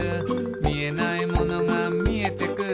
「みえないものがみえてくる」